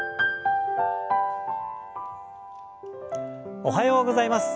おはようございます。